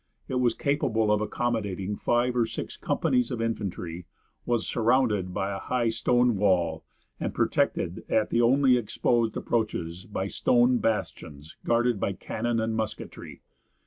It was capable of accommodating five or six companies of infantry, was surrounded by a high stone wall, and protected at the only exposed approaches by stone bastions guarded by cannon and musketry.